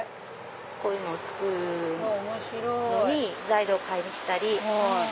こういうのを作るのに材料を買いに来たり。